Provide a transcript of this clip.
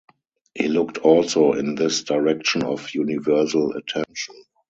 He looked also in this direction of universal attention.